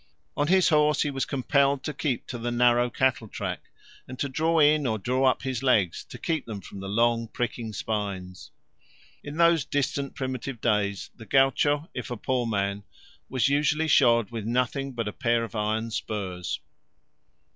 On his horse he was compelled to keep to the narrow cattle track and to draw in or draw up his legs to keep them from the long pricking spines. In those distant primitive days the gaucho if a poor man was usually shod with nothing but a pair of iron spurs.